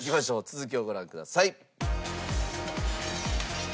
続きをご覧ください。